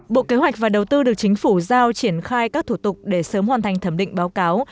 bộ kế hoạch và đầu tư được chính phủ giao triển khai các thủ tục để sớm hoàn thành thẩm định báo cáo